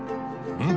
うん？